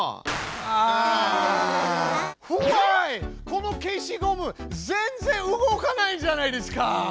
この消しゴム全然動かないじゃないですか！